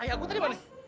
ayah gua tadi mana